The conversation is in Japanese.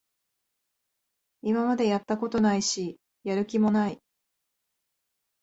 今までやったことないし、やる気もない